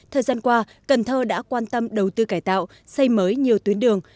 thời gian qua cần thơ đã quan tâm đầu tư cải tạo xây mới nhiều tuyến đường